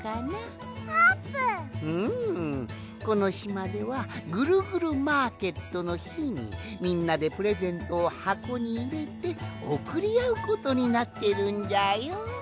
うんこのしまではぐるぐるマーケットのひにみんなでプレゼントをはこにいれておくりあうことになってるんじゃよ。